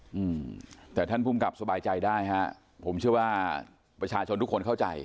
อืมแต่ท่านภูมิกับสบายใจได้ฮะผมเชื่อว่าประชาชนทุกคนเข้าใจ